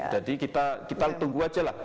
jadi kita tunggu aja lah